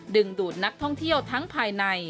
ดึงดูดนักท่องเที่ยวทั้งภายใน